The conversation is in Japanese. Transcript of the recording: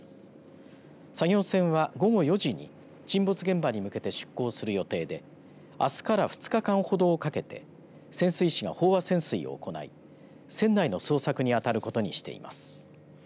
作業船は、午後４時に沈没現場に向けて出港する予定であすから２日間ほどをかけて潜水士が飽和潜水を行い船内の捜索にあたることにしています。